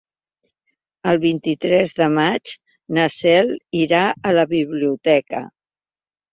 El vint-i-tres de maig na Cel irà a la biblioteca.